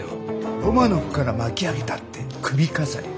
ロマノフから巻き上げたって首飾りか。